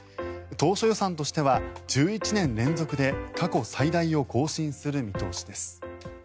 当初予算としては１１年連続で過去最大を更新する見通しです。